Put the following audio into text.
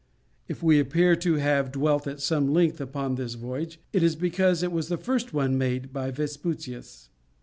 If we appear to have dwelt at some length upon this voyage, it is because it was the first one made by Vespucius.